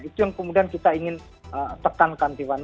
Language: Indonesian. itu yang kemudian kita ingin tekankan tiffany